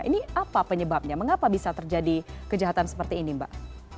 ini apa penyebabnya mengapa bisa terjadi kejahatan seperti ini mbak